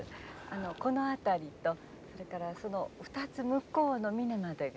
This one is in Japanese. この辺りとそれからその２つ向こうの峰までが。